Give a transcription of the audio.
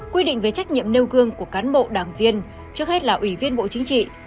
quy định về trách nhiệm nêu gương của cán bộ đảng viên trước hết là ủy viên bộ chính trị